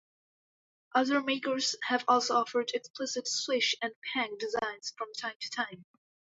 Other makers have also offered explicit "swish" and "pang" designs from time to time.